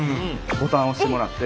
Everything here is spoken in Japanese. ボタン押してもらって。